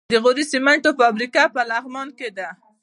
د غوري سمنټو فابریکه په بغلان کې ده.